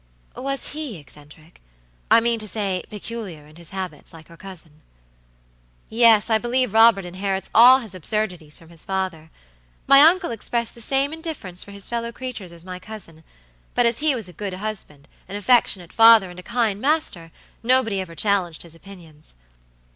"Was he eccentricI mean to say, peculiar in his habits, like your cousin?" "Yes, I believe Robert inherits all his absurdities from his father. My uncle expressed the same indifference for his fellow creatures as my cousin, but as he was a good husband, an affectionate father, and a kind master, nobody ever challenged his opinions."